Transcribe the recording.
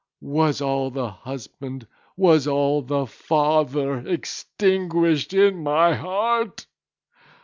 was all the husband—was all the father extinguished in my heart?